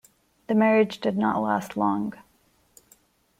The marriage did not last long.